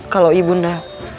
kalau ibu unda